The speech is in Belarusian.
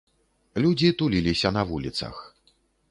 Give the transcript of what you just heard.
Людзі туліліся на вуліцах.